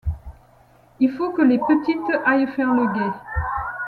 Il faut que les petites aillent faire le guet.